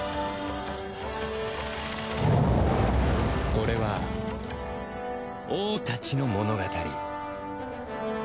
これは王たちの物語